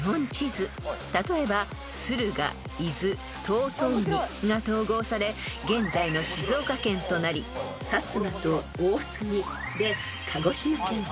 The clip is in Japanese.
［例えば駿河伊豆遠江が統合され現在の静岡県となり薩摩と大隅で鹿児島県となりました］